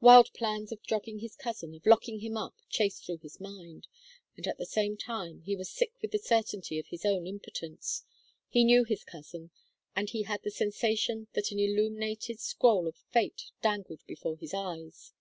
Wild plans of drugging his cousin, of locking him up, chased through his mind, and at the same time he was sick with the certainty of his own impotence. He knew his cousin, and he had the sensation that an illuminated scroll of fate dangled before his eyes.